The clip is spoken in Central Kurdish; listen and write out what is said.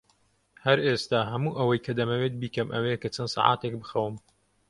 هەر ئێستا، هەموو ئەوەی کە دەمەوێت بیکەم ئەوەیە کە چەند سەعاتێک بخەوم.